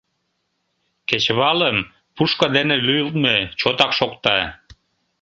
Кечывалым пушка дене лӱйылтмӧ чотак шокта.